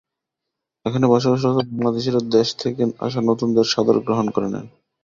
এখানে বসবাসরত বাংলাদেশিরা দেশ থেকে আসা নতুনদের সাদরে গ্রহণ করে নেন।